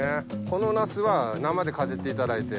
このナスは生でかじっていただいて。